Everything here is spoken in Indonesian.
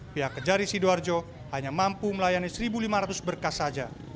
pihak kejari sidoarjo hanya mampu melayani satu lima ratus berkas saja